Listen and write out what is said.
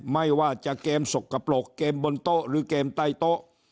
ไม่ว่าจะเกมสกปรกเกมบนโต๊ะหรือเกมใต้โต๊ะ